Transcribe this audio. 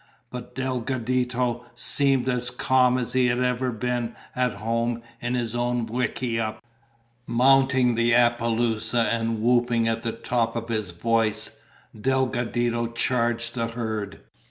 But Delgadito seemed as calm as he had ever been at home in his own wickiup. Mounting the apaloosa and whooping at the top of his voice, Delgadito charged the herd.